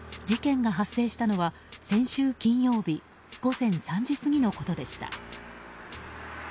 事件が発生したのは先週金曜日午前３時過ぎのことした。